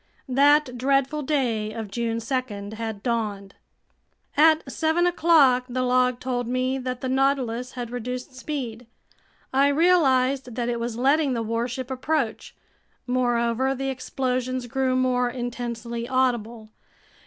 That dreadful day of June 2 had dawned. At seven o'clock the log told me that the Nautilus had reduced speed. I realized that it was letting the warship approach. Moreover, the explosions grew more intensely audible.